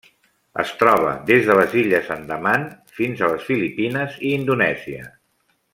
Es troba des de les Illes Andaman fins a les Filipines i Indonèsia.